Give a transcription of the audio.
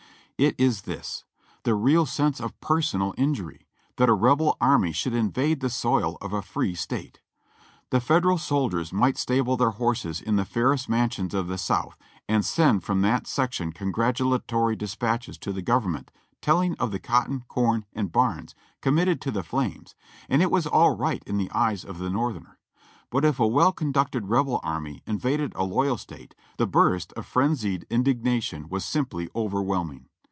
It is this : The real sense of personal injury, that a Rebel army should invade the soil of a free State. The Federal soldiers might stable their horses in the fairest mansions of the South, and send from that section congratulatory dispatches to the Gov ernment telling of the cotton, corn, and barns committed to the flames, and it was all right in the eyes of the Northerner; but if a well conducted Rebel army invaded a loyal State, the burst of frenzied indignation was simply overwhelming.